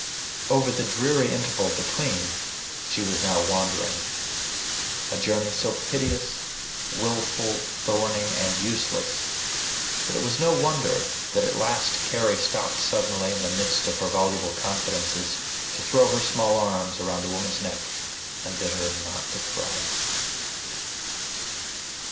Over the dreary interval between, she was now wandering a journey so piteous, willful, thorny, and useless that it was no wonder that at last Carry stopped suddenly in the midst of her voluble confidences to throw her small arms around the woman's neck, and bid her not to cry.